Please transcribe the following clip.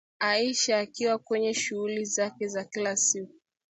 Aisha akiwa kwenye shughuli zake za kila siku